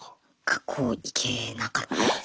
学校行けなかったです。